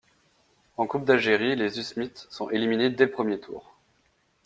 En coupe d'Algérie, les Usmistes sont éliminés dès le premier tour.